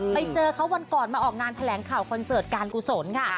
ไปเจอเขาวันก่อนมาออกงานแถลงข่าวคอนเสิร์ตการกุศลค่ะ